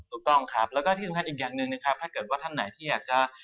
ถูกต้องครับแล้วก็ที่สำคัญอีกอย่างหนึ่งนะครับถ้าเกิดว่าท่านไหนที่อยากจะ